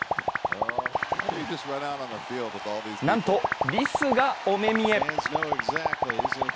なんと、リスがお目見え。